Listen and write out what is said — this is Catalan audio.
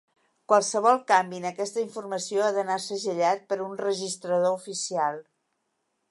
Qualsevol canvi en aquesta informació ha d'anar segellat per un registrador oficial.